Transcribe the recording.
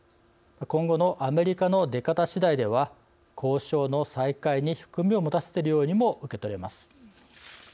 今後のアメリカの出方しだいでは交渉の再開に含みを持たせているようにも受け取れます。